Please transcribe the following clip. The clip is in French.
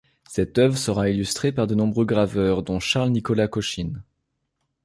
Cette œuvre sera illustrée par de nombreux graveurs dont Charles-Nicolas Cochin.